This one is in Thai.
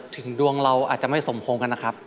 ถึงดวงเราอาจจะไม่สมพงษ์กันนะครับ